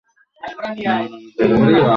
এখন সেটি Rampura television centre নামে পরিচিত।